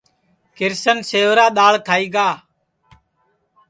کرشن سیورا دؔاݪ کھائی گا